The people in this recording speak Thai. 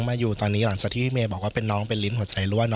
มาอยู่ตอนนี้หลังจากที่พี่เมย์บอกว่าเป็นน้องเป็นลิ้นหัวใจรั่ว